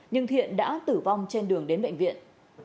nhưng thiện đã tử vong trên đường đến bệnh viện